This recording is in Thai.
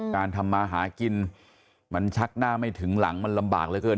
การทำมาหากินมันชักหน้าไม่ถึงหลังมันลำบากเหลือเกิน